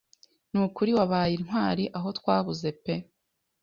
Ni ukuri wabaye intwari aho twabuze pe.